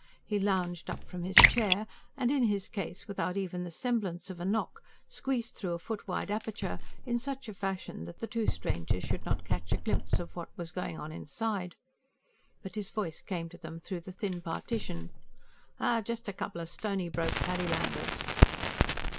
He lounged up from his chair, and, in his case without even the semblance of a knock, squeezed through a foot wide aperture, in such a fashion that the two strangers should not catch a glimpse of what was going on inside. But his voice came to them through the thin partition. "Oh, just a couple o' stony broke Paddylanders."